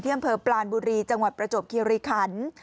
เที่ยงเผลอปลานบุรีจังหวัดประจบเครียริขันฯ